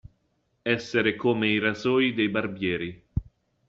Essere come i rasoi dei barbieri.